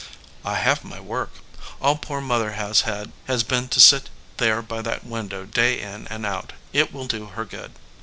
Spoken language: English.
"I have my work. All poor Mother has had has been to sit there by that window day in and out. It will do her good.